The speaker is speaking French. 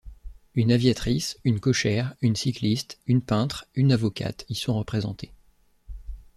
Un aviatrice, une cochère, une cycliste, une peintre, une avocate y sont représentées.